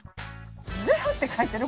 ０って書いてある？